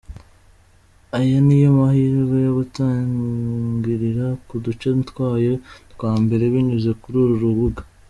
Aya niyo mahirwe yo gutangirira ku duce twayo twa mbere binyuze kuri uru rubuga.